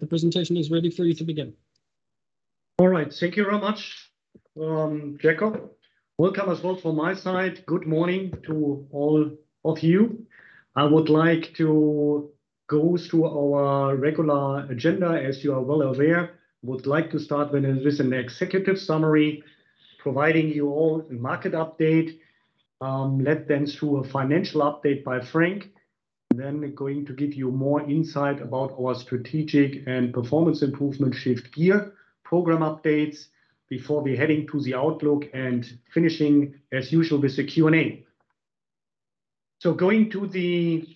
The presentation is ready for you to begin. All right, thank you very much, Jakob. Welcome as well from my side. Good morning to all of you. I would like to go through our regular agenda, as you are well aware. Would like to start with an executive summary, providing you all a market update, lead then through a financial update by Frank. We're going to give you more insight about our strategic and performance improvement Shift Gear program updates before we're heading to the outlook and finishing as usual with the Q&A. Going to the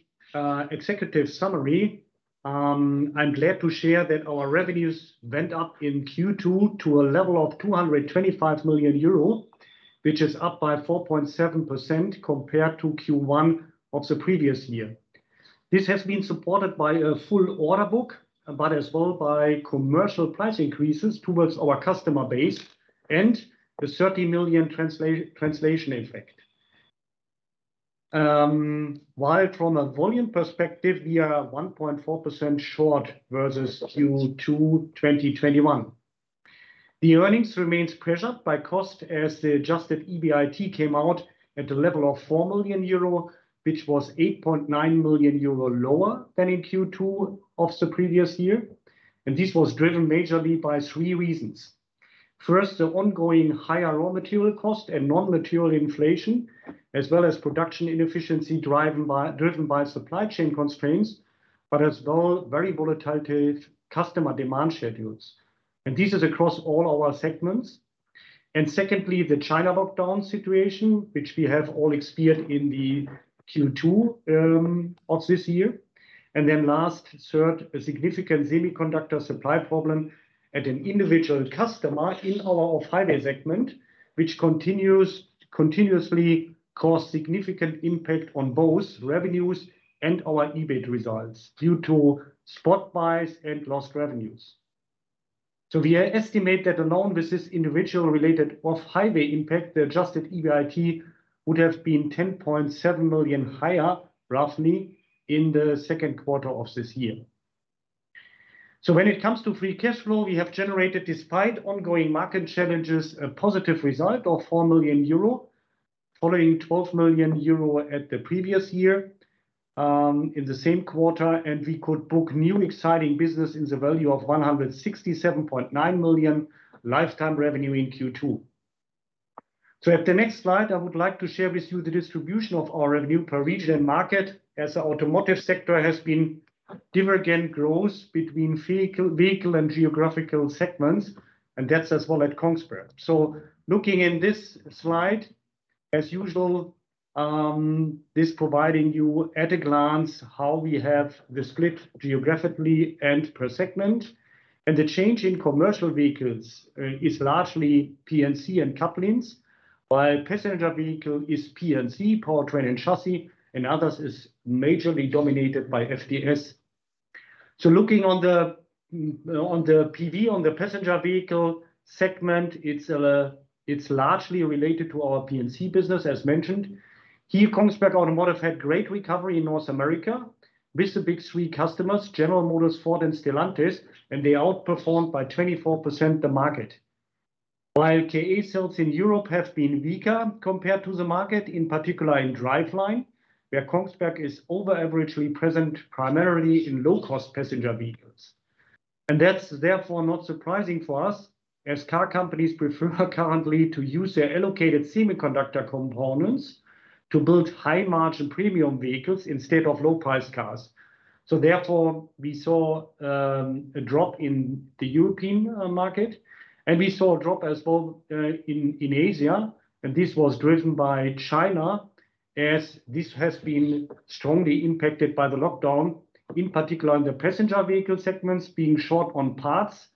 executive summary, I'm glad to share that our revenues went up in Q2 to a level of 225 million euro, which is up by 4.7% compared to Q1 of the previous year. This has been supported by a full order book, but as well by commercial price increases towards our customer base and the 30 million translation effect. While from a volume perspective, we are 1.4% short versus Q2 2021. The earnings remains pressured by cost as the adjusted EBIT came out at a level of 4 million euro, which was 8.9 million euro lower than in Q2 of the previous year. This was driven majorly by three reasons. First, the ongoing higher raw material cost and non-material inflation, as well as production inefficiency driven by supply chain constraints, but as well, very volatile customer demand schedules. This is across all our segments. Secondly, the China lockdown situation, which we have all experienced in the Q2 of this year. Then last, third, a significant semiconductor supply problem at an individual customer in our Off-Highway segment, which continues, continuously caused significant impact on both revenues and our EBIT results due to spot buys and lost revenues. We estimate that alone, with this individual related Off-Highway impact, the adjusted EBIT would have been 10.7 million higher, roughly, in the second quarter of this year. When it comes to free cash flow, we have generated, despite ongoing market challenges, a positive result of 4 million euro, following 12 million euro at the previous year in the same quarter. We could book new exciting business in the value of 167.9 million lifetime revenue in Q2. At the next slide, I would like to share with you the distribution of our revenue per region and market as the automotive sector has been divergent growth between vehicle and geographical segments, and that's as well at Kongsberg. Looking in this slide, as usual, this provides you at a glance how we have the split geographically and per segment. The change in commercial vehicles is largely P&C and couplings, while passenger vehicle is P&C, powertrain and chassis, and others is majorly dominated by FTS. Looking on the PV, on the Passenger Vehicle segment, it's largely related to our P&C business, as mentioned. Here, Kongsberg Automotive had great recovery in North America with the big three customers, General Motors, Ford and Stellantis, and they outperformed by 24% the market. While KA sales in Europe have been weaker compared to the market, in particular in driveline, where Kongsberg is over averagely present primarily in low-cost passenger vehicles. That's therefore not surprising for us, as car companies prefer currently to use their allocated semiconductor components to build high-margin premium vehicles instead of low-price cars. Therefore, we saw a drop in the European market, and we saw a drop as well in Asia. This was driven by China, as this has been strongly impacted by the lockdown, in particular in the passenger vehicle segments being short on parts.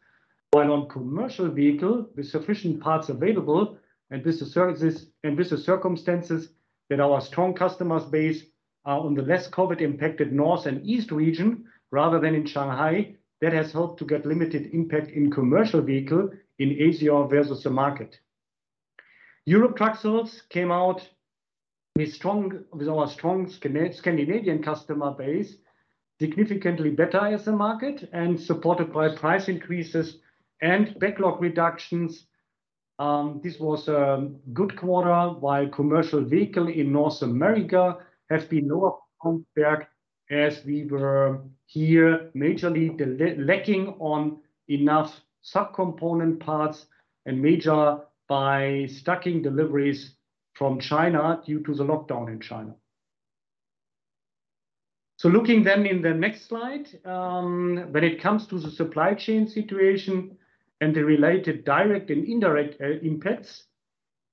While on commercial vehicle, with sufficient parts available, and with the circumstances that our strong customer base are on the less COVID-impacted north and east region rather than in Shanghai, that has helped to get limited impact in commercial vehicle in Asia versus the market. Europe truck sales came out with strong with our strong Scandinavian customer base, significantly better than the market and supported by price increases and backlog reductions. This was a good quarter, while commercial vehicle in North America have been lower compared to as we were majorly lacking on enough subcomponent parts and majorly stuck in deliveries from China due to the lockdown in China. Looking then in the next slide, when it comes to the supply chain situation and the related direct and indirect impacts,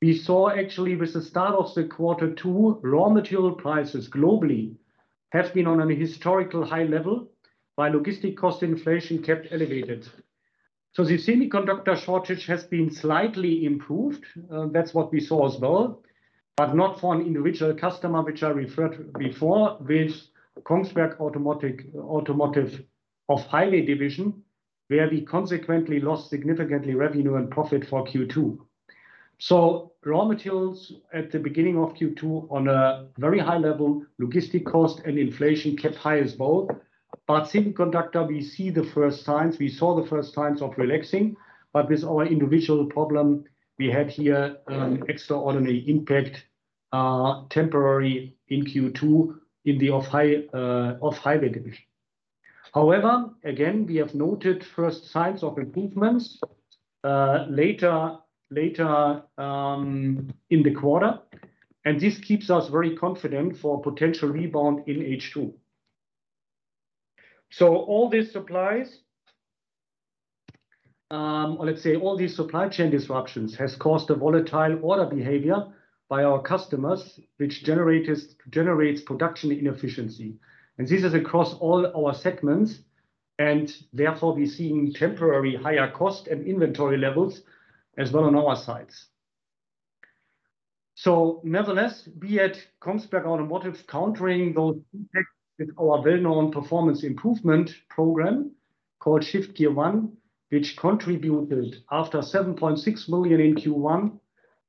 we saw actually with the start of the quarter two, raw material prices globally have been on a historical high level, while logistics cost inflation kept elevated. The semiconductor shortage has been slightly improved, that's what we saw as well, but not for an individual customer, which I referred to before, with Kongsberg Automotive Off-Highway division, where we consequently lost significant revenue and profit for Q2. Raw materials at the beginning of Q2 on a very high level, logistics cost and inflation kept high as both. Semiconductor, we saw the first signs of relaxing, but with our individual problem we had here, extraordinary impact, temporary in Q2 in the Off-Highway division. However, again, we have noted first signs of improvements later in the quarter, and this keeps us very confident for potential rebound in H2. All these supply chain disruptions has caused a volatile order behavior by our customers, which generates production inefficiency. This is across all our segments, and therefore, we're seeing temporary higher cost and inventory levels as well on our sides. Nevertheless, we at Kongsberg Automotive countering those impacts with our well-known performance improvement program called Shift Gear One, which contributed after 7.6 million in Q1,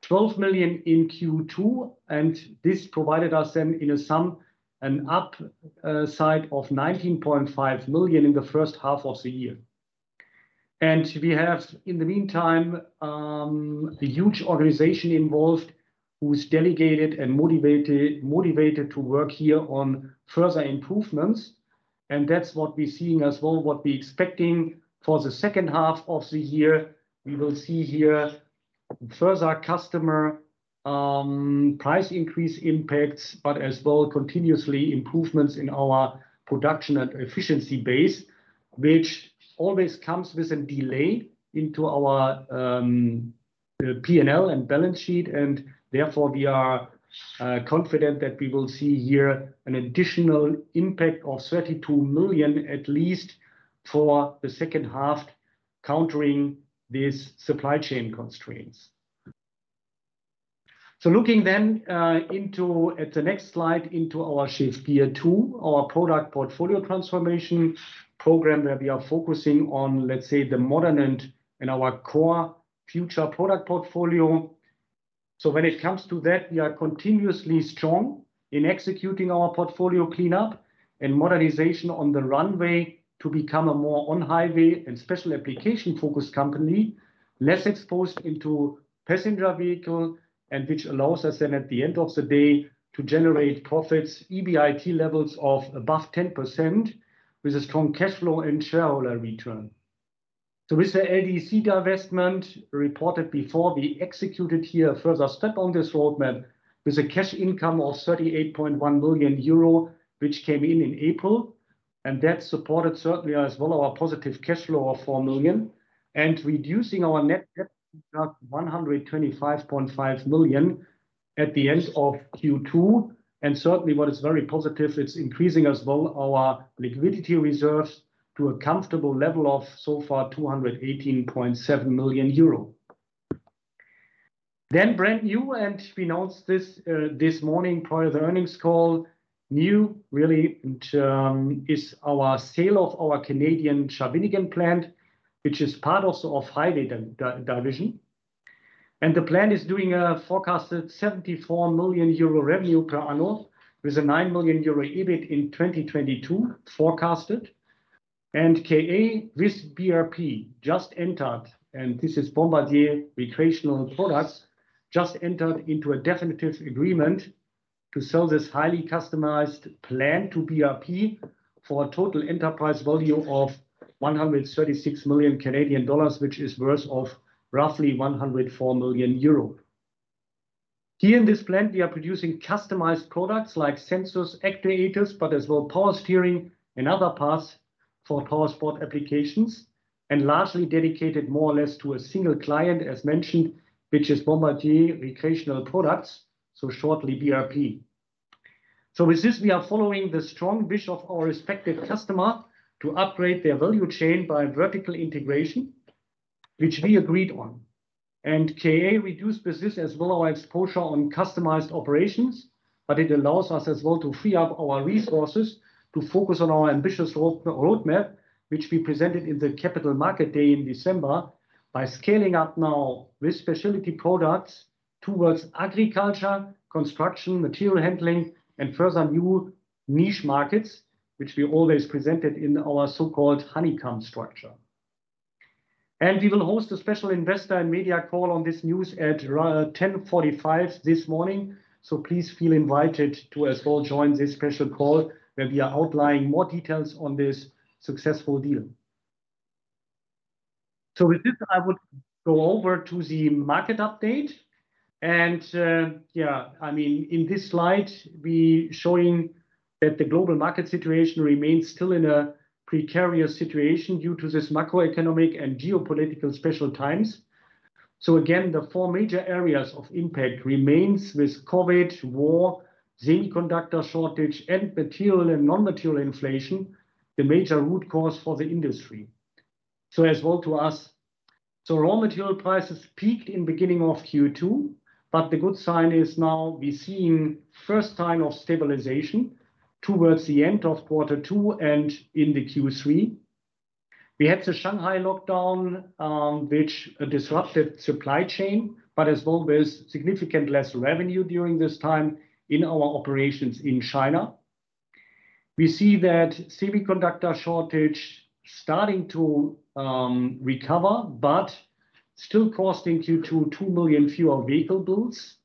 12 million in Q2, and this provided us then in a sum an upside of 19.5 million in the first half of the year. We have, in the meantime, a huge organization involved who's delegated and motivated to work here on further improvements, and that's what we're seeing as well, what we're expecting for the second half of the year. We will see here further customer price increase impacts, but as well, continuously improvements in our production and efficiency base, which always comes with a delay into our P&L and balance sheet. Therefore, we are confident that we will see here an additional impact of 32 million at least for the second half, countering these supply chain constraints. Looking then at the next slide, into our Shift Gear Two, our product portfolio transformation program that we are focusing on, let's say, the modern and our core future product portfolio. When it comes to that, we are continuously strong in executing our portfolio cleanup and modernization on the runway to become a more off-highway and special application-focused company, less exposed to passenger vehicle, and which allows us then at the end of the day to generate profits, EBIT levels of above 10% with a strong cash flow and shareholder return. With the ADC divestment reported before, we executed here a further step on this roadmap with a cash income of 38.1 million euro, which came in April. That supported certainly as well our positive cash flow of 4 million. Reducing our net debt to 125.5 million at the end of Q2, and certainly what is very positive, it's increasing as well our liquidity reserves to a comfortable level of so far 218.7 million euro. Then brand new, and we announced this this morning prior to the earnings call, which is our sale of our Canadian Shawinigan plant, which is part also of Off-Highway division. The plant is doing a forecasted 74 million euro revenue per annum, with a 9 million euro EBIT in 2022 forecasted. KA, with BRP, just entered, and this is Bombardier Recreational Products, just entered into a definitive agreement to sell this highly customized plant to BRP for a total enterprise value of 136 million Canadian dollars, which is worth roughly 104 million euro. Here in this plant, we are producing customized products like sensors, actuators, but as well power steering and other parts for powersports applications, and largely dedicated more or less to a single client, as mentioned, which is Bombardier Recreational Products, so shortly BRP. With this, we are following the strong wish of our respective customer to upgrade their value chain by vertical integration, which we agreed on. KA reduced business as well our exposure on customized operations, but it allows us as well to free up our resources to focus on our ambitious roadmap, which we presented in the Capital Markets Day in December, by scaling up now with Specialty Products towards agriculture, construction, material handling and further new niche markets, which we always presented in our so-called honeycomb structure. We will host a special investor and media call on this news at 10:45 A.M. this morning. Please feel invited to as well join this special call, where we are outlining more details on this successful deal. With this, I would go over to the market update. Yeah, I mean, in this slide, we're showing that the global market situation remains still in a precarious situation due to these macroeconomic and geopolitical special times. Again, the four major areas of impact remains with COVID, war, semiconductor shortage, and material and non-material inflation, the major root cause for the industry, so as well to us. Raw material prices peaked in beginning of Q2, but the good sign is now we're seeing first sign of stabilization towards the end of quarter two and into Q3. We had the Shanghai lockdown, which disrupted supply chain, but as well with significant less revenue during this time in our operations in China. We see that semiconductor shortage starting to recover, but still costing Q2 2 million fewer vehicle builds.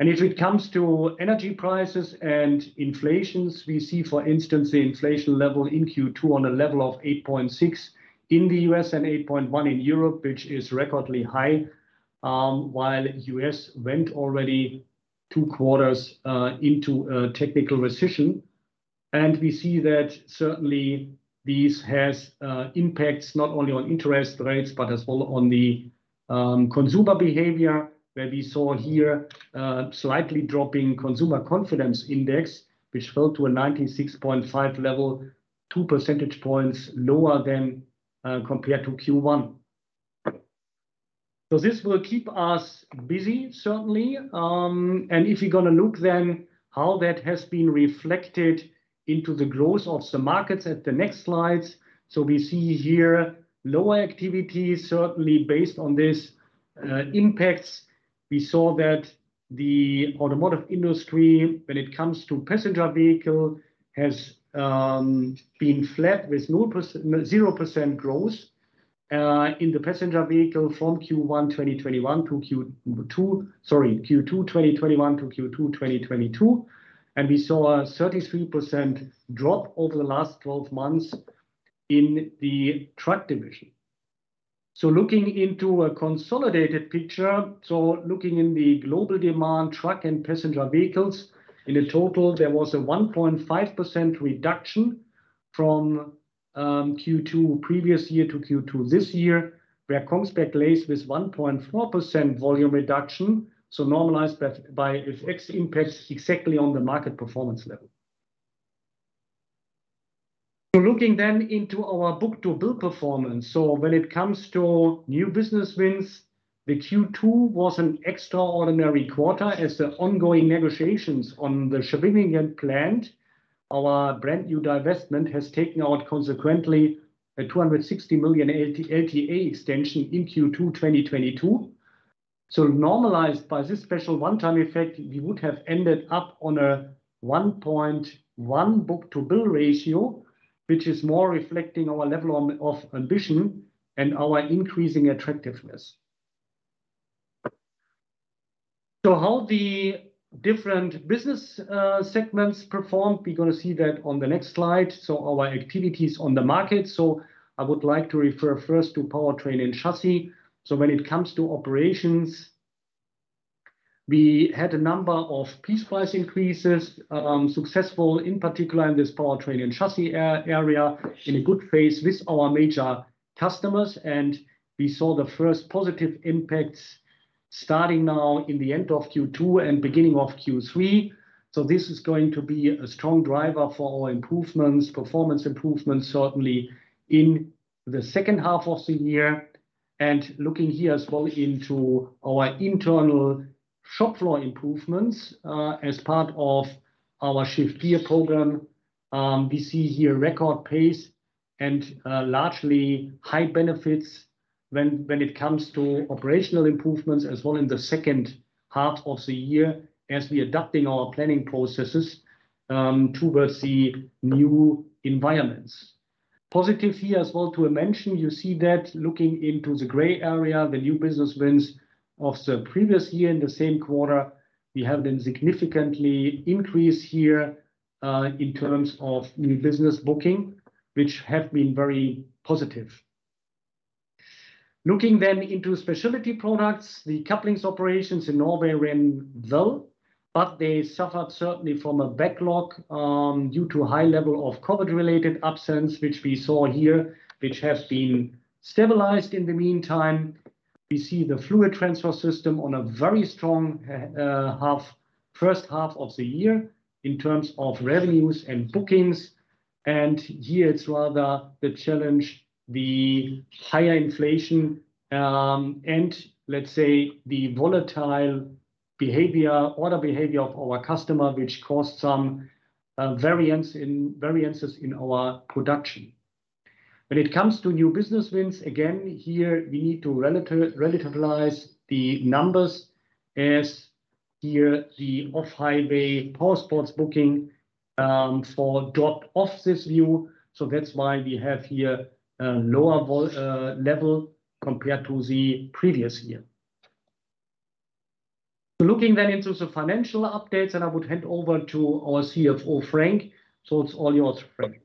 If it comes to energy prices and inflation, we see, for instance, the inflation level in Q2 on a level of 8.6% in the U.S. and 8.1% in Europe, which is record high, while U.S. went already two quarters into a technical recession. We see that certainly this has impacts not only on interest rates, but as well on the consumer behavior, where we saw here slightly dropping consumer confidence index, which fell to a 96.5 level, 2 percentage points lower than compared to Q1. This will keep us busy, certainly. If you're gonna look then how that has been reflected into the growth of the markets at the next slides. We see here lower activity, certainly based on this impacts. We saw that the automotive industry, when it comes to passenger vehicle, has been flat with 0% growth in the passenger vehicle from Q2 2021 to Q2 2022. We saw a 33% drop over the last twelve months in the truck division. Looking into a consolidated picture, looking in the global demand truck and passenger vehicles, in a total there was a 1.5% reduction from Q2 previous year to Q2 this year, where Kongsberg lies with 1.4% volume reduction, normalized by FX impacts exactly on the market performance level. Looking then into our book-to-bill performance. When it comes to new business wins, the Q2 was an extraordinary quarter as the ongoing negotiations on the Shawinigan plant. Our brand-new divestment has taken out consequently a 260 million LTA extension in Q2 2022. Normalized by this special one-time effect, we would have ended up on a 1.1 book-to-bill ratio, which is more reflecting our level of ambition and our increasing attractiveness. How the different business segments performed, we're gonna see that on the next slide. Our activities on the market. I would like to refer first to Powertrain & Chassis. When it comes to operations, we had a number of piece price increases successful, in particular in this Powertrain & Chassis area, in a good phase with our major customers, and we saw the first positive impacts starting now in the end of Q2 and beginning of Q3. This is going to be a strong driver for our improvements, performance improvements, certainly in the second half of the year. Looking here as well into our internal shop floor improvements, as part of our Shift Gear program, we see here record pace and, largely high benefits when it comes to operational improvements as well in the second half of the year as we adapting our planning processes, towards the new environments. Positive here as well to mention, you see that looking into the gray area, the new business wins of the previous year in the same quarter, we have been significantly increased here, in terms of new business booking, which have been very positive. Looking into Specialty Products, the Couplings' operations in Norway ran well, but they suffered certainly from a backlog due to a high level of COVID-related absence, which we saw here, which have been stabilized in the meantime. We see the Fluid Transfer Systems on a very strong first half of the year in terms of revenues and bookings. Here it's rather the challenge, the higher inflation and let's say the volatile behavior, order behavior of our customer, which caused some variances in our production. When it comes to new business wins, again, here we need to relativize the numbers as here the Off-Highway powersports bookings dropped off this year. That's why we have here a lower level compared to the previous year. Looking then into the financial updates, and I would hand over to our CFO, Frank. It's all yours, Frank.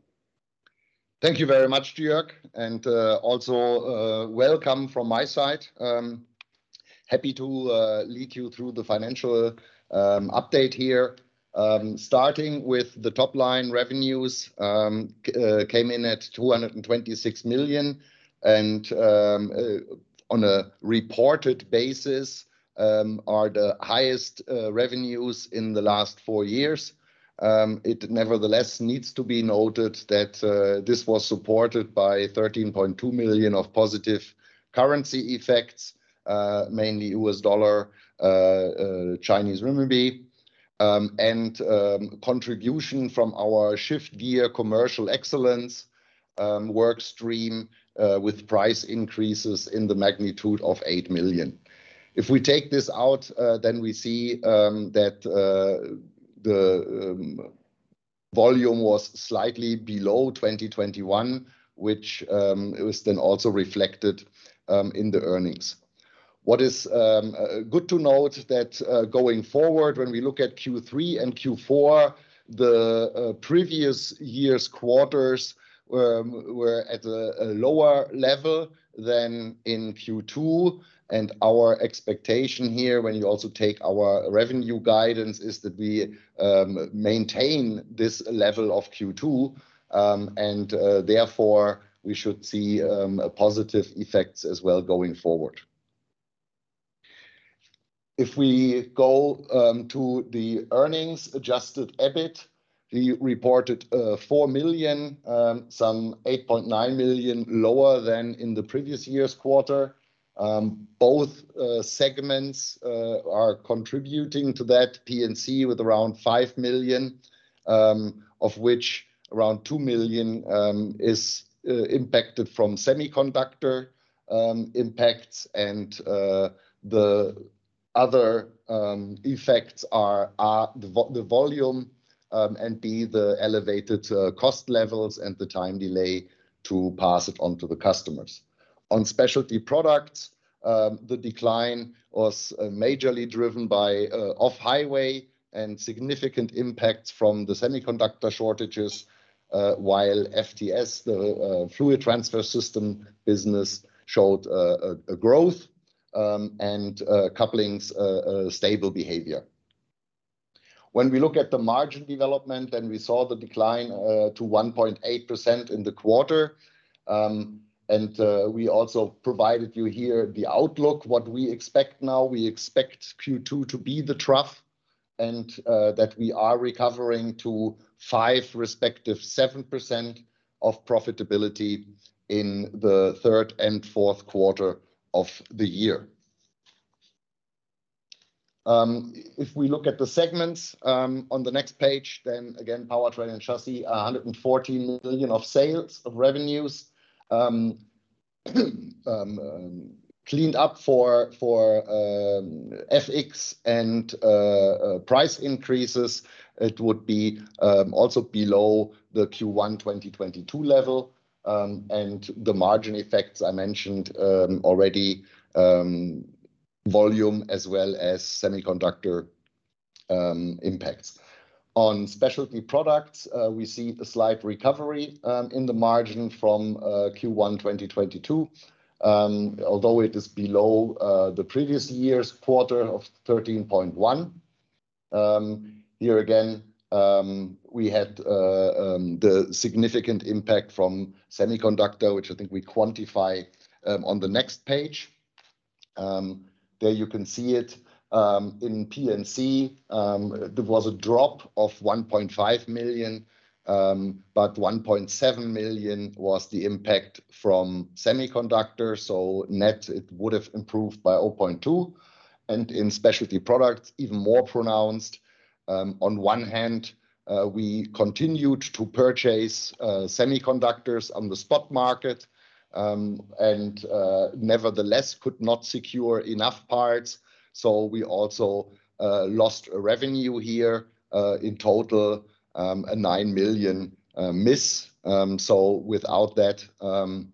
Thank you very much, Joerg. Also, welcome from my side. Happy to lead you through the financial update here. Starting with the top-line revenues, came in at 226 million, and on a reported basis, are the highest revenues in the last four years. It nevertheless needs to be noted that this was supported by 13.2 million of positive currency effects, mainly U.S. dollar, Chinese renminbi. Contribution from our Shift Gear commercial excellence work stream with price increases in the magnitude of 8 million. If we take this out, then we see that the volume was slightly below 2021, which it was then also reflected in the earnings. It is good to note that going forward, when we look at Q3 and Q4, the previous year's quarters were at a lower level than in Q2, and our expectation here, when you also take our revenue guidance, is that we maintain this level of Q2. Therefore, we should see positive effects as well going forward. If we go to adjusted EBIT, we reported 4 million, some 8.9 million lower than in the previous year's quarter. Both segments are contributing to that, P&C with around 5 million, of which around 2 million is impacted from semiconductor impacts. The other effects are the volume and the elevated cost levels and the time delay to pass it on to the customers. On Specialty Products, the decline was majorly driven by Off-Highway and significant impacts from the semiconductor shortages. While FTS, the Fluid Transfer Systems business showed a growth and Couplings' stable behavior. When we look at the margin development, we saw the decline to 1.8% in the quarter. We also provided you here the outlook what we expect now. We expect Q2 to be the trough and that we are recovering to 5% respective 7% of profitability in the third and fourth quarter of the year. If we look at the segments on the next page, then again, Powertrain & Chassis, 140 million of sales, of revenues, cleaned up for FX and price increases. It would be also below the Q1 2022 level. The margin effects I mentioned already, volume as well as semiconductor impacts. On Specialty Products, we see a slight recovery in the margin from Q1 2022. Although it is below the previous year's quarter of 13.1%. Here again, we had the significant impact from semiconductor, which I think we quantify on the next page. There you can see it. In P&C, there was a drop of 1.5 million, but 1.7 million was the impact from semiconductors. Net, it would have improved by 0.2. In Specialty Products, even more pronounced. On one hand, we continued to purchase semiconductors on the spot market and nevertheless could not secure enough parts, so we also lost revenue here, in total, a 9 million miss. Without that,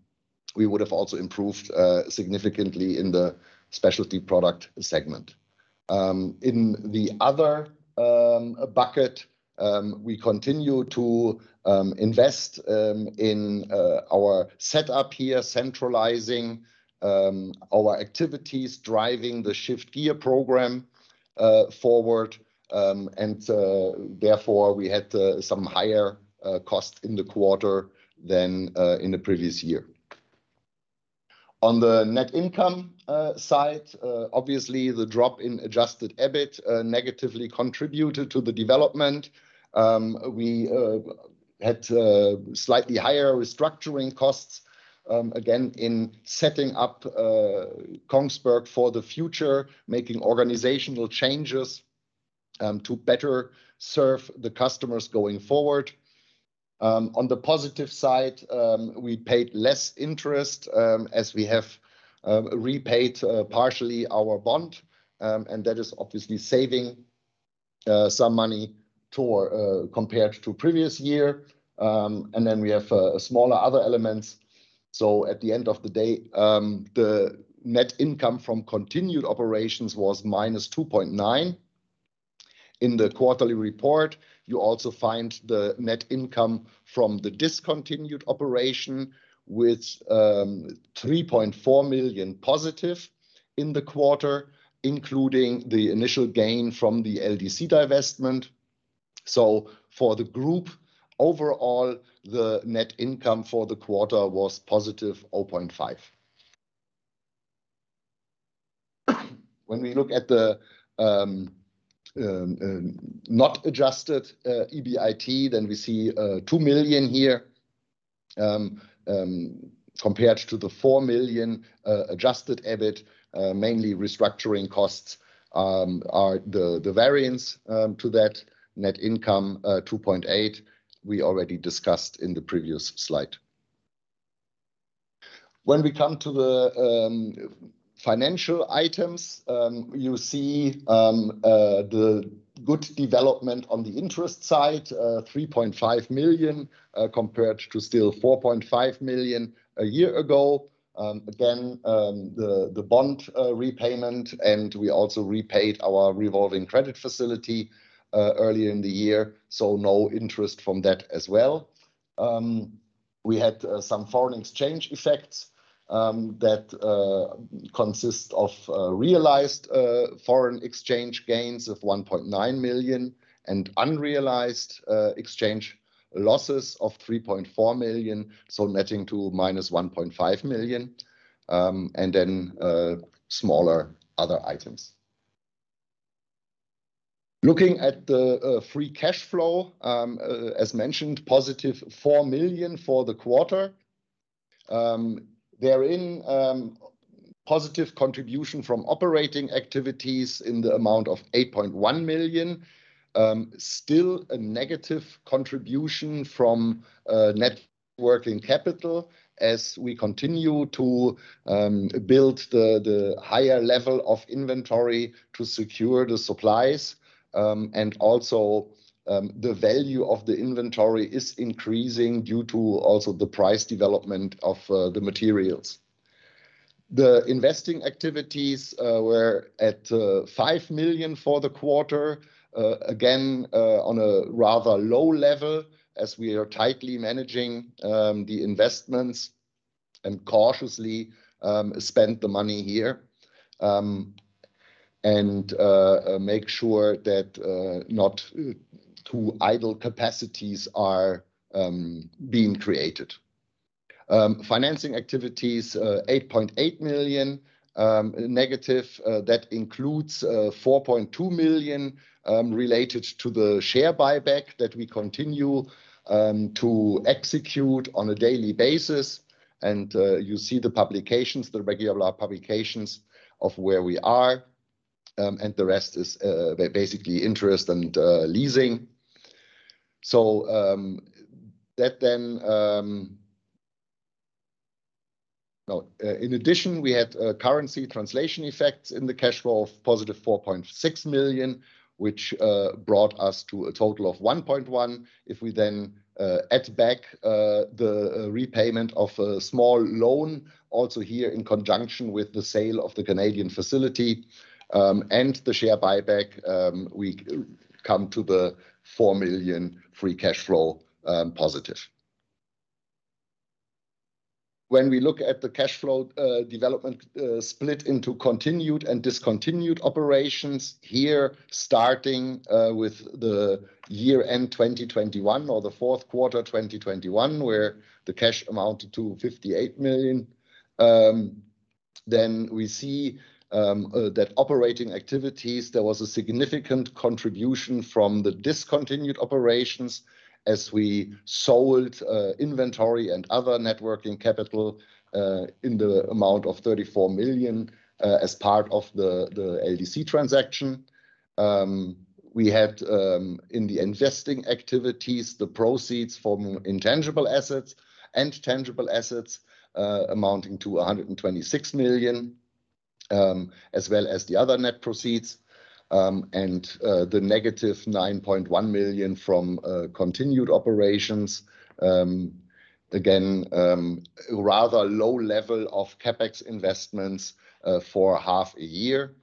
we would have also improved significantly in the Specialty Products segment. In the other bucket, we continue to invest in our setup here, centralizing our activities, driving the Shift Gear program forward. Therefore, we had some higher costs in the quarter than in the previous year. On the net income side, obviously the drop in adjusted EBIT negatively contributed to the development. We had slightly higher restructuring costs, again in setting up Kongsberg for the future, making organizational changes to better serve the customers going forward. On the positive side, we paid less interest, as we have repaid partially our bond. That is obviously saving some money too, compared to previous year. Then we have smaller other elements. At the end of the day, the net income from continuing operations was -2.9 million. In the quarterly report, you also find the net income from the discontinued operation with 3.4 million positive in the quarter, including the initial gain from the LDC divestment. For the group, overall, the net income for the quarter was positive 0.5 million. When we look at the not adjusted EBIT, then we see 2 million here. Compared to the 4 million adjusted EBIT, mainly restructuring costs are the variance to that net income 2.8 million, we already discussed in the previous slide. When we come to the financial items, you see the good development on the interest side, 3.5 million compared to still 4.5 million a year ago. Again, the bond repayment, and we also repaid our revolving credit facility earlier in the year, so no interest from that as well. We had some foreign exchange effects that consist of realized foreign exchange gains of 1.9 million and unrealized exchange losses of 3.4 million, so netting to -1.5 million, and then smaller other items. Looking at the free cash flow, as mentioned, positive 4 million for the quarter. Therein, positive contribution from operating activities in the amount of 8.1 million. Still a negative contribution from net working capital as we continue to build the higher level of inventory to secure the supplies. Also, the value of the inventory is increasing due to also the price development of the materials. The investing activities were at 5 million for the quarter, again on a rather low level as we are tightly managing the investments and cautiously spend the money here and make sure that not too idle capacities are being created. Financing activities negative 8.8 million. That includes 4.2 million related to the share buyback that we continue to execute on a daily basis. You see the publications, the regular publications of where we are. The rest is basically interest and leasing. In addition, we had currency translation effects in the cash flow of positive 4.6 million, which brought us to a total of 1.1 million. If we then add back the repayment of a small loan, also here in conjunction with the sale of the Canadian facility, and the share buyback, we come to the 4 million free cash flow, positive. When we look at the cash flow development, split into continued and discontinued operations here, starting with the year-end 2021 or the fourth quarter 2021, where the cash amounted to 58 million, then we see that operating activities, there was a significant contribution from the discontinued operations as we sold inventory and other net working capital in the amount of 34 million as part of the LDC transaction. We had, in the investing activities, the proceeds from intangible assets and tangible assets amounting to 126 million, as well as the other net proceeds and the negative 9.1 million from continued operations. Again, rather low level of CapEx investments for half a year.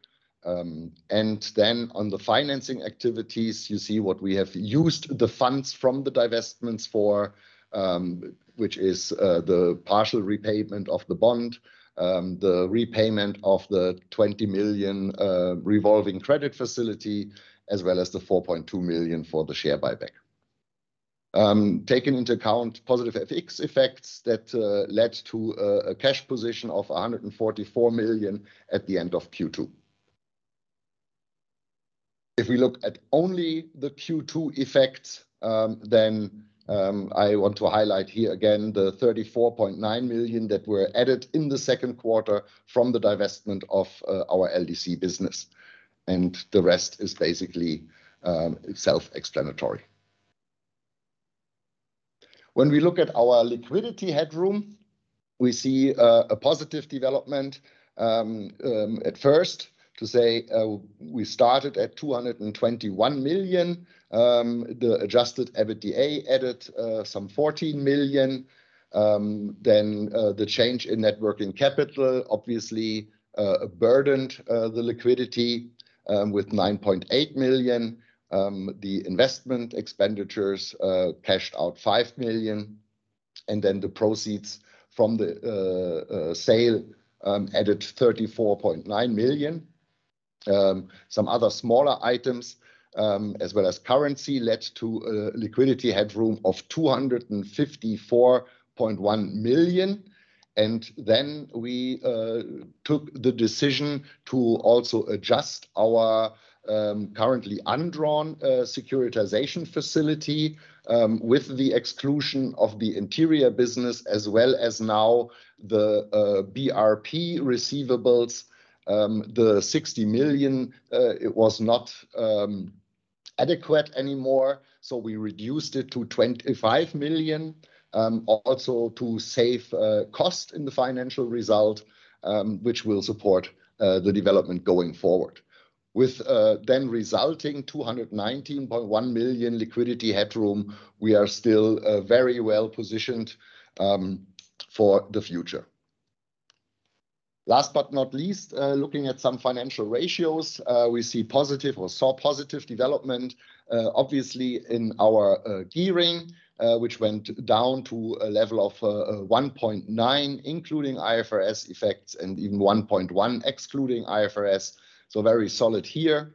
On the financing activities, you see what we have used the funds from the divestments for, which is the partial repayment of the bond, the repayment of the 20 million revolving credit facility, as well as the 4.2 million for the share buyback. Taking into account positive FX effects that led to a cash position of 144 million at the end of Q2. If we look at only the Q2 effects, then I want to highlight here again the 34.9 million that were added in the second quarter from the divestment of our LDC business, and the rest is basically self-explanatory. When we look at our liquidity headroom, we see a positive development, at first to say we started at 221 million. The adjusted EBITDA added some 14 million. The change in net working capital obviously burdened the liquidity with 9.8 million. The investment expenditures cashed out 5 million. The proceeds from the sale added 34.9 million. Some other smaller items, as well as currency led to liquidity headroom of 254.1 million. We took the decision to also adjust our currently undrawn securitization facility with the exclusion of the interior business, as well as now the BRP receivables. The 60 million it was not adequate anymore, so we reduced it to 25 million. Also to save cost in the financial result, which will support the development going forward. With then resulting 219.1 million liquidity headroom, we are still very well-positioned for the future. Last but not least, looking at some financial ratios, we see positive or saw positive development obviously in our gearing, which went down to a level of 1.9, including IFRS effects, and even 1.1 excluding IFRS. Very solid here.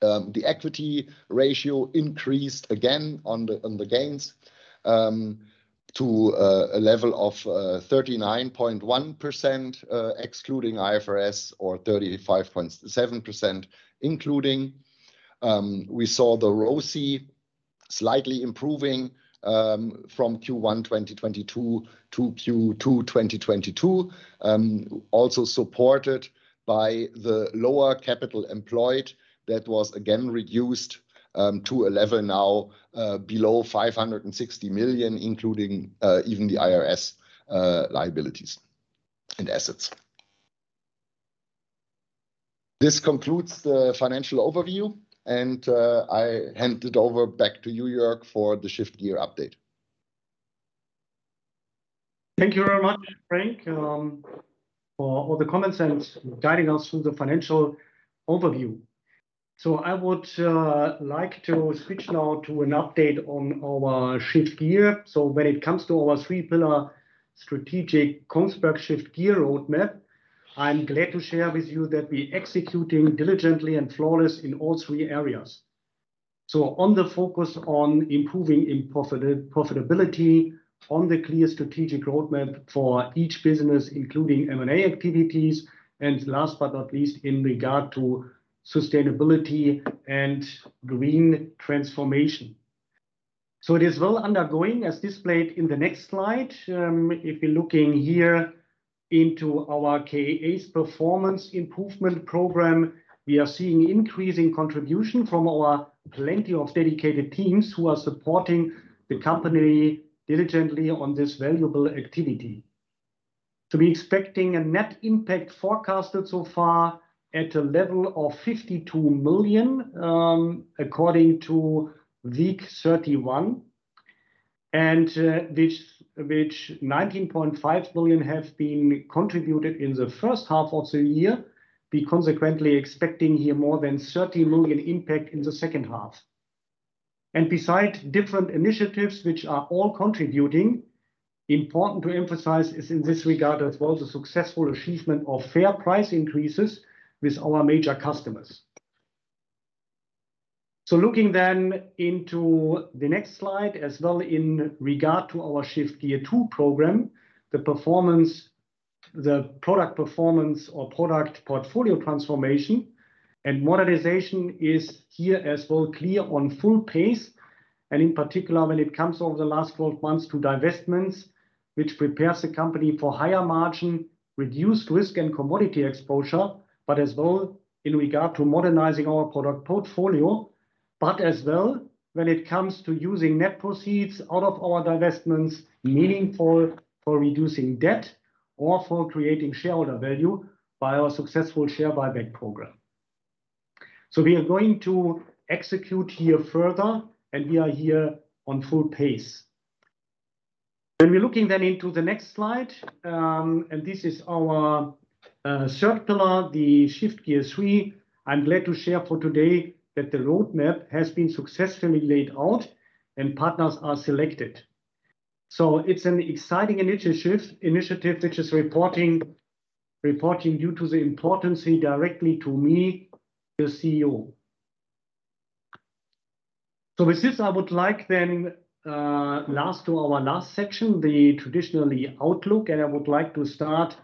The equity ratio increased again on the gains to a level of 39.1%, excluding IFRS or 35.7% including. We saw the ROCE slightly improving from Q1 2022 to Q2 2022. Also supported by the lower capital employed. That was again reduced to a level now below 560 million, including even the IFRS liabilities and assets. This concludes the financial overview, and I hand it over back to you, Joerg, for the Shift Gear update. Thank you very much, Frank, for all the comments and guiding us through the financial overview. I would like to switch now to an update on our Shift Gear. When it comes to our three-pillar strategic Kongsberg Shift Gear roadmap, I'm glad to share with you that we're executing diligently and flawless in all three areas. On the focus on improving in profitability, on the clear strategic roadmap for each business, including M&A activities, and last but not least, in regard to sustainability and green transformation. It is well underway, as displayed in the next slide. If you're looking here into our KA's performance improvement program, we are seeing increasing contribution from plenty of dedicated teams who are supporting the company diligently on this valuable activity. We're expecting a net impact forecasted so far at a level of 52 million according to week 31. Of which 19.5 million have been contributed in the first half of the year. We are consequently expecting here more than 30 million impact in the second half. Besides different initiatives, which are all contributing, important to emphasize is in this regard, as well as the successful achievement of fair price increases with our major customers. Looking then into the next slide as well in regard to our Shift Gear Two program, the product performance or product portfolio transformation and modernization is here as well, clearly on full pace. In particular, when it comes over the last 12 months to divestments, which prepares the company for higher margin, reduced risk and commodity exposure, but as well in regard to modernizing our product portfolio. As well, when it comes to using net proceeds out of our divestments, meaningful for reducing debt or for creating shareholder value by our successful share buyback program. We are going to execute here further, and we are here on full pace. When we're looking then into the next slide, and this is our pillar, the Shift Gear Three. I'm glad to share for today that the roadmap has been successfully laid out and partners are selected. It's an exciting initiative which is reporting directly to me due to the importance, the CEO. With this, I would like, then, to our last section, the traditional outlook. I would like to start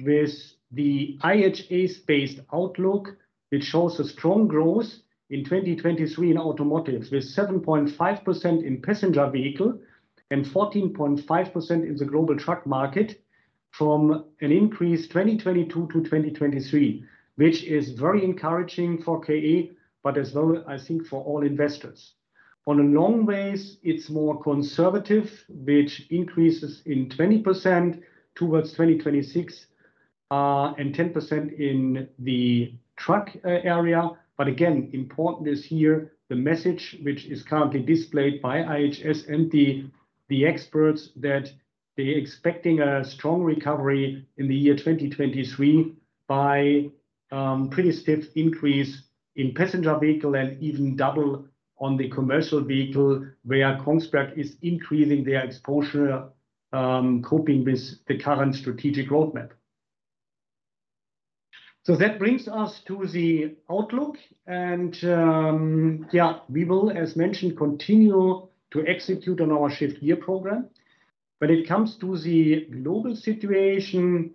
with the IHS-based outlook, which shows a strong growth in 2023 in automotive, with 7.5% in passenger vehicle and 14.5% in the global truck market from an increase 2022 to 2023, which is very encouraging for KA, but as well, I think for all investors. On a longer view, it's more conservative, which increases in 20% towards 2026, and 10% in the truck area. Again, important is here the message which is currently displayed by IHSMT, the experts, that they're expecting a strong recovery in the year 2023 by pretty steep increase in passenger vehicle and even double on the commercial vehicle, where Kongsberg is increasing their exposure, aligning with the current strategic roadmap. That brings us to the outlook and, yeah, we will, as mentioned, continue to execute on our Shift Gear program. When it comes to the global situation,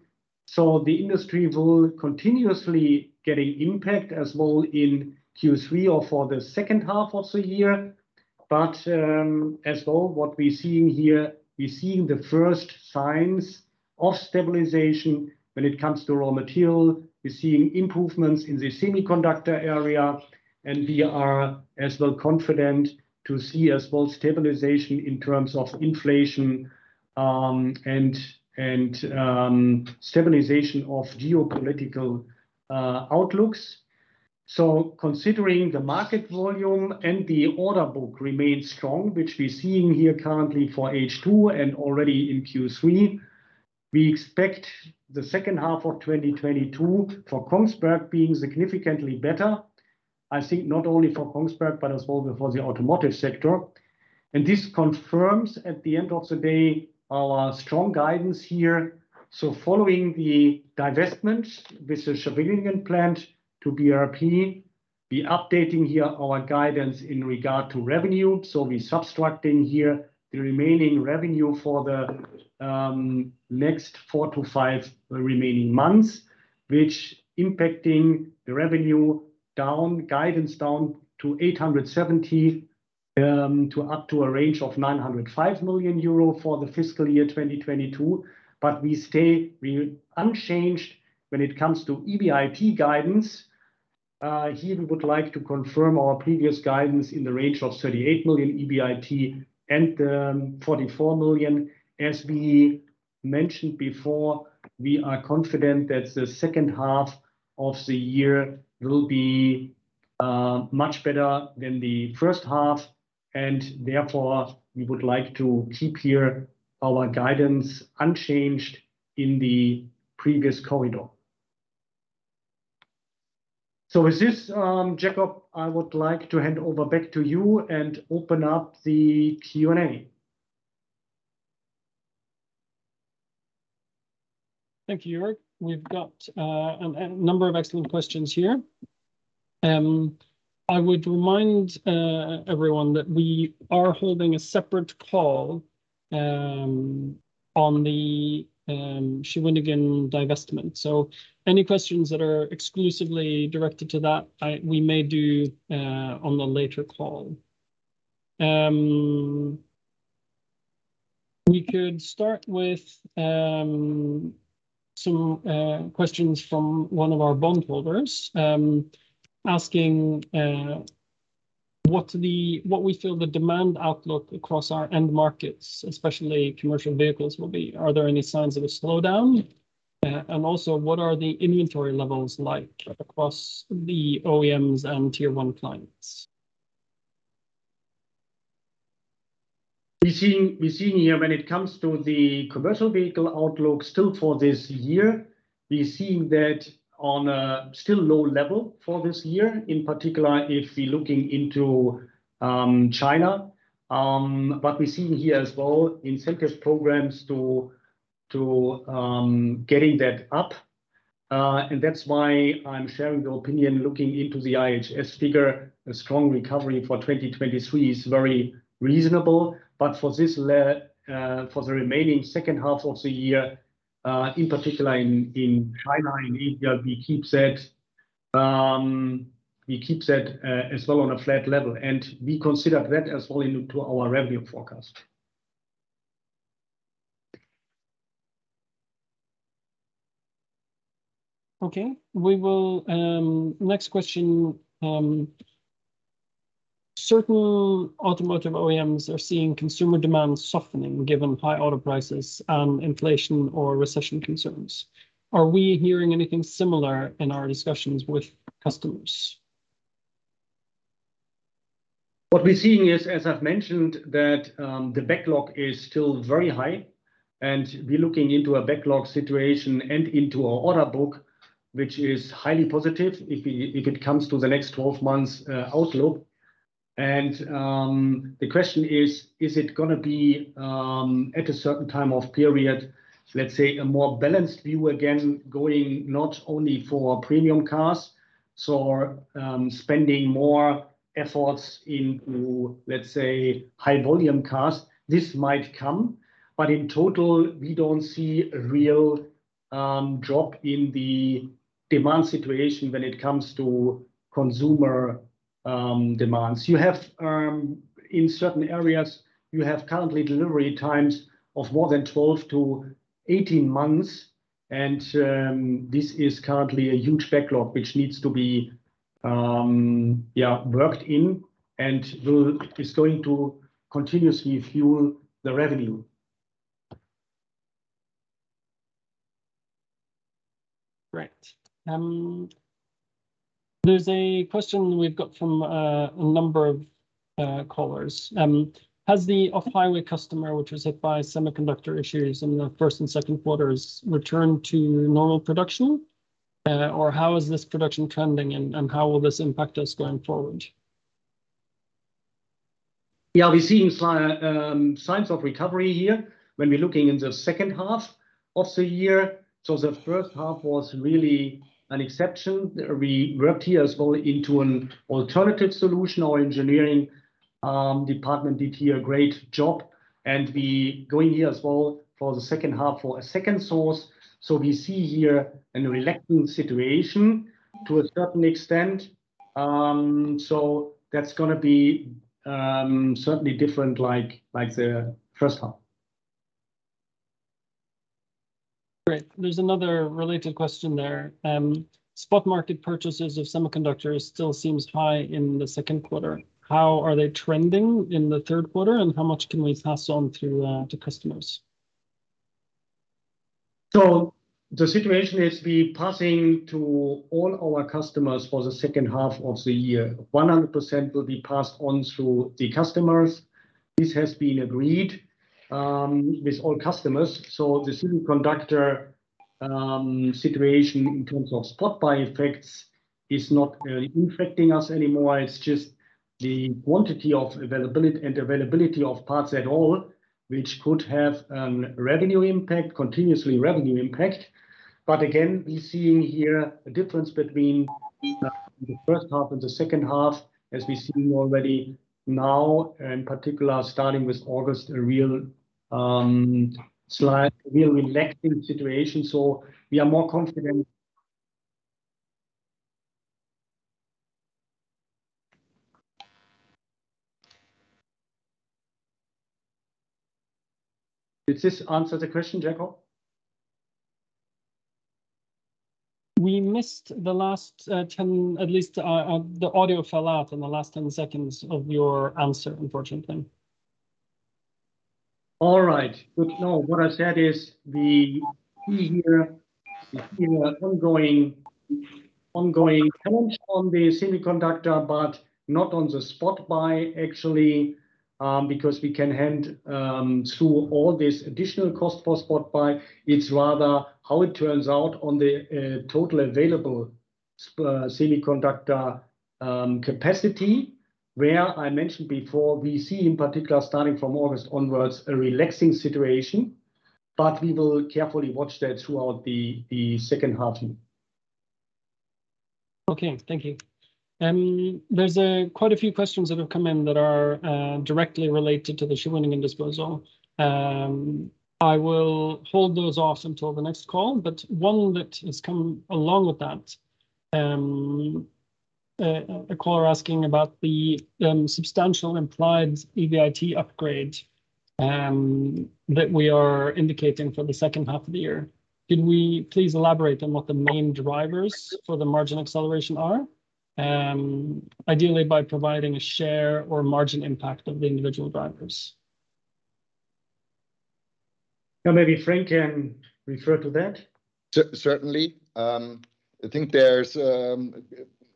the industry will continuously get an impact as well in Q3 or for the second half of the year. As well, what we're seeing here, we're seeing the first signs of stabilization when it comes to raw material. We're seeing improvements in the semiconductor area, and we are as well confident to see as well stabilization in terms of inflation, and stabilization of geopolitical outlooks. Considering the market volume and the order book remains strong, which we're seeing here currently for H2 and already in Q3, we expect the second half of 2022 for Kongsberg being significantly better. I think not only for Kongsberg, but as well for the automotive sector. This confirms, at the end of the day, our strong guidance here. Following the divestment with the Shawinigan plant to BRP, we updating here our guidance in regard to revenue. We're subtracting here the remaining revenue for the next four to five remaining months, which impacting the revenue down, guidance down to 870 million up to a range of 905 million euro for the fiscal year 2022. We stay unchanged when it comes to EBIT guidance. Here we would like to confirm our previous guidance in the range of 38 million EBIT and 44 million. We mentioned before, we are confident that the second half of the year will be much better than the first half. Therefore, we would like to keep here our guidance unchanged in the previous corridor. With this, Jakob, I would like to hand over back to you and open up the Q&A. Thank you, Joerg. We've got a number of excellent questions here. I would remind everyone that we are holding a separate call on the Shawinigan divestment. Any questions that are exclusively directed to that, we may do on the later call. We could start with some questions from one of our bondholders asking what we feel the demand outlook across our end markets, especially commercial vehicles, will be. Are there any signs of a slowdown? And also, what are the inventory levels like across the OEMs and Tier One clients? We're seeing here when it comes to the commercial vehicle outlook still for this year, we're seeing that on a still low level for this year, in particular, if we're looking into China. What we're seeing here as well, incentive programs to getting that up. That's why I'm sharing the opinion, looking into the IHS figure, a strong recovery for 2023 is very reasonable. For the remaining second half of the year, in particular in China, in India, we keep that as well on a flat level, and we consider that as well into our revenue forecast. Okay. We will next question certain automotive OEMs are seeing consumer demand softening, given high auto prices and inflation or recession concerns. Are we hearing anything similar in our discussions with customers? What we're seeing is, as I've mentioned, that the backlog is still very high, and we're looking into a backlog situation and into our order book, which is highly positive if it comes to the next 12 months outlook. The question is it gonna be at a certain time of period, let's say, a more balanced view again, going not only for premium cars, so spending more efforts into, let's say, high volume cars? This might come, but in total, we don't see a real drop in the demand situation when it comes to consumer demands. You have in certain areas you have currently delivery times of more than 12-18 months, and this is currently a huge backlog which needs to be worked in and is going to continuously fuel the revenue. Right. There's a question we've got from a number of callers. Has the Off-Highway customer, which was hit by semiconductor issues in the first and second quarters, returned to normal production? Or how is this production trending, and how will this impact us going forward? Yeah, we're seeing signs of recovery here when we're looking in the second half of the year. The first half was really an exception. We worked here as well into an alternative solution. Our engineering department did here a great job, and we going here as well for the second half for a second source. We see here a relaxing situation to a certain extent. That's gonna be certainly different like the first half. Great. There's another related question there. Spot market purchases of semiconductors still seems high in the second quarter. How are they trending in the third quarter, and how much can we pass on through to customers? The situation is we're passing to all our customers for the second half of the year. 100% will be passed on to the customers. This has been agreed with all customers. The semiconductor situation in terms of spot buy effects is not impacting us anymore. It's just the quantity and availability of parts at all, which could have a revenue impact, continuous revenue impact. But again, we're seeing here a difference between the first half and the second half, as we've seen already now, and in particular, starting with August, a real relaxation situation. We are more confident. Does this answer the question, Jakob? We missed the last, at least, the audio fell out in the last 10 seconds of your answer, unfortunately. All right. Good to know. What I said is the key here in our ongoing challenge on the semiconductor, but not on the spot buy, actually, because we can pass through all this additional cost for spot buy. It's rather how it turns out on the total available semiconductor capacity. Where I mentioned before, we see in particular, starting from August onwards, a relaxing situation. We will carefully watch that throughout the second half year. Okay. Thank you. There's quite a few questions that have come in that are directly related to the Shawinigan disposal. I will hold those off until the next call. One that has come along with that, a caller asking about the substantial implied EBIT upgrade that we are indicating for the second half of the year. Can we please elaborate on what the main drivers for the margin acceleration are, ideally by providing a share or margin impact of the individual drivers? Yeah, maybe Frank can refer to that. Certainly. I think there's.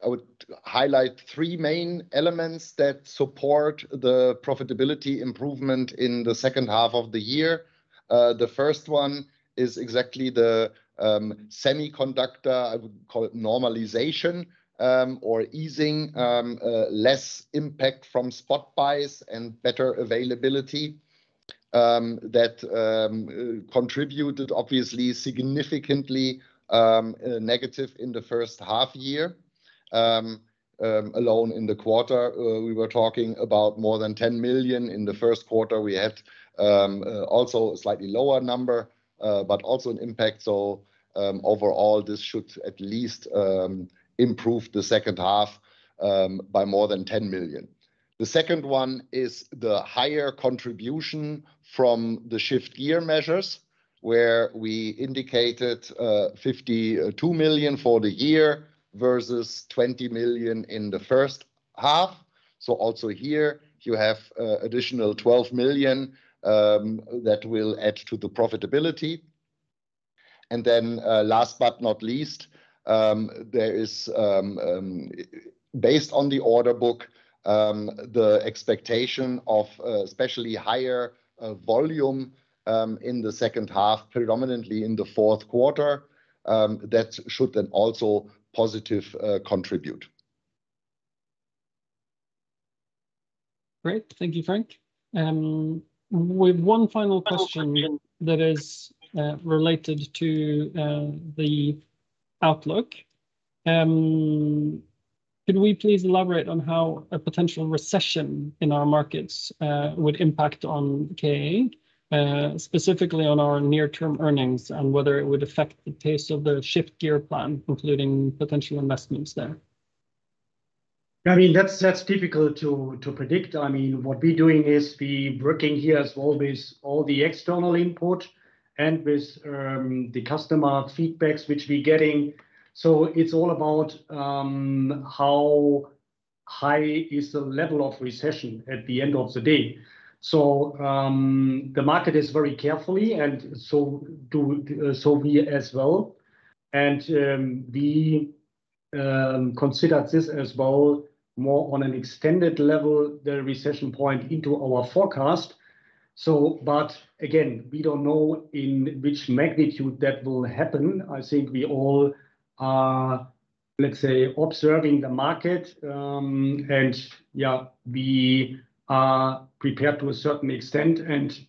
I would highlight three main elements that support the profitability improvement in the second half of the year. The first one is exactly the semiconductor. I would call it normalization or easing, less impact from spot buys and better availability, that contributed obviously significantly negative in the first half year. In the quarter alone, we were talking about more than 10 million in the first quarter. We had also a slightly lower number, but also an impact. Overall, this should at least improve the second half by more than 10 million. The second one is the higher contribution from the Shift Gear measures, where we indicated 52 million for the year versus 20 million in the first half. Also here, you have additional 12 million that will add to the profitability. Last but not least, there is based on the order book the expectation of especially higher volume in the second half, predominantly in the fourth quarter, that should then also positively contribute. Great. Thank you, Frank. We've one final question that is related to the outlook. Could we please elaborate on how a potential recession in our markets would impact on KA, specifically on our near-term earnings and whether it would affect the pace of the Shift Gear plan, including potential investments there? I mean, that's difficult to predict. I mean, what we're doing is we're working here as well with all the external input and with the customer feedbacks which we're getting. It's all about how high is the level of recession at the end of the day. The market is very careful, and so do we as well. We consider this as well more on an extended level, the recession point into our forecast. But again, we don't know in which magnitude that will happen. I think we all are, let's say, observing the market. Yeah, we are prepared to a certain extent and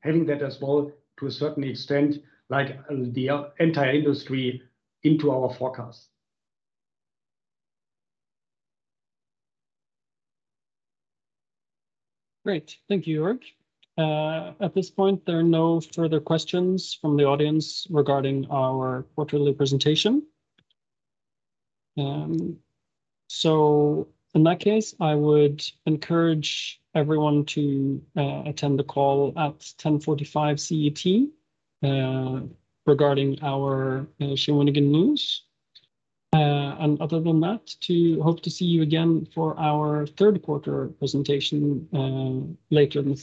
having that as well to a certain extent, like the entire industry into our forecast. Great. Thank you, Joerg. At this point, there are no further questions from the audience regarding our quarterly presentation. In that case, I would encourage everyone to attend the call at 10:45 CET regarding our Shawinigan news. Other than that, hope to see you again for our third quarter presentation later in the fall.